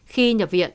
khi nhập viện